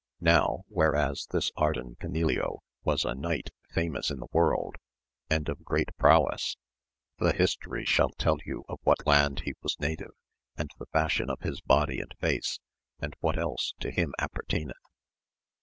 Now whereas this Ardan Canileo was a knight famous iu the world, and of great prowess, the AMADIS OF GAUL. 87 history shall tell you of what land he was native, and the fashion of his body luid face, and what else to him appertaineth.